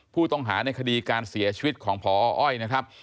ผู้ต้องหาในคดีการเสียชีวิตของพออ้อยนะครับ